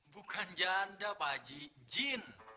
bukan janda pak ji jin